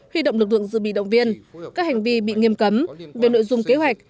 huy động lực lượng dự bị động viên các hành vi bị nghiêm cấm về nội dung kế hoạch